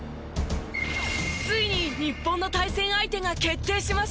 ついに日本の対戦相手が決定しました。